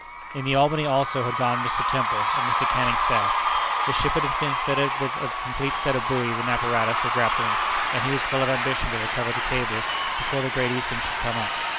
In the Albany, also, had gone Mr. Temple, of Mr. Canning's staff. The ship had been fitted up with a complete set of buoys and apparatus for grappling; and he was full of ambition to recover the cable before the Great Eastern should come up.